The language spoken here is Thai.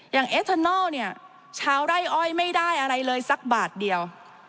เอทานอลเนี่ยชาวไร่อ้อยไม่ได้อะไรเลยสักบาทเดียว